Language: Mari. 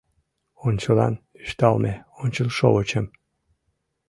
Ончылан ӱшталме ончылшовычем